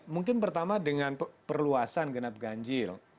mungkin pertama dengan perluasan genap ganjil